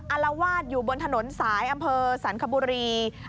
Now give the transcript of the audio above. อารวาสอยู่บนถนนสายอำเภอสันคบุรี